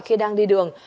khi đang đi đường